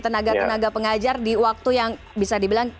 tenaga tenaga pengajar di waktu yang bisa dibilang